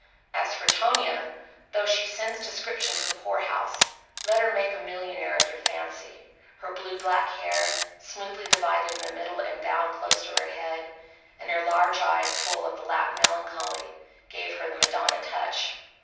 As for Tonia, though she sends description to the poorhouse, let her make a millionaire of your fancy. Her blue black hair, smoothly divided in the middle and bound close to her head, and her large eyes full of the Latin melancholy, gave her the Madonna touch.